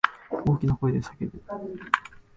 大きな声で呼ぶ。